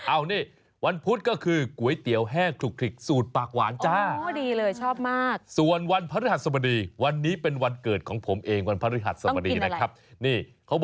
เอานี่วันพุธก็คือก๋วยเตี๋ยวแห้งคลุกคลิกสูตรปากหวานจ้า